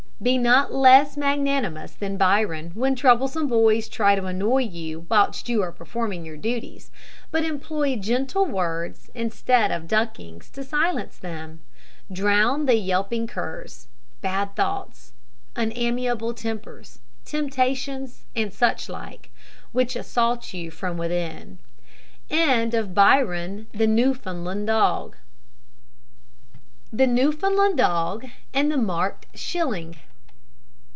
Be not less magnanimous than Byron, when troublesome boys try to annoy you whilst you are performing your duties; but employ gentle words instead of duckings to silence them. Drown the yelping curs bad thoughts, unamiable tempers, temptations, and such like which assault you from within. THE NEWFOUNDLAND DOG AND THE MARKED SHILLING.